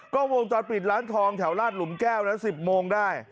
ก็วงจอดปิดร้านทองแถวราชหลุมแก้วนะ๑๐โมงได้